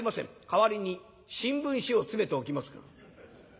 代わりに新聞紙を詰めておきますから」。